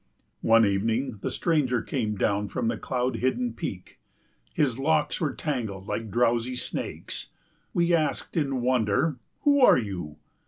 One evening the stranger came down from the cloud hidden peak; his locks were tangled like drowsy snakes. We asked in wonder, "Who are you?"